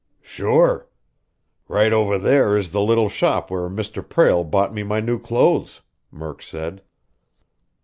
"Sure. Right over there is the little shop where Mr. Prale bought me my new clothes," Murk said.